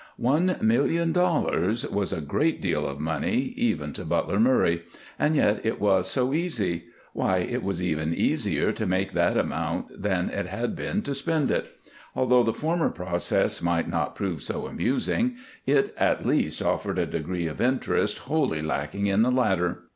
One million dollars was a great deal of money, even to Butler Murray, and yet it was so easy! Why, it was even easier to make that amount than it had been to spend it! Although the former process might not prove so amusing, it at least offered a degree of interest wholly lacking in the latter.